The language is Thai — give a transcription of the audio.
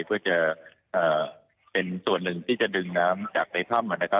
เพื่อจะเป็นส่วนหนึ่งที่จะดึงน้ำจากในถ้ำ